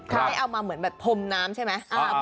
ได้เอามาเหมือนแบบพรมน้ำใช่ไหม